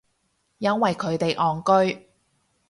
因為佢哋戇居